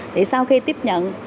thì sau khi tiếp nhận